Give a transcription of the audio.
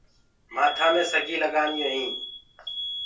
مآٿآ مي سڳيٚ لگانديونٚ هينٚ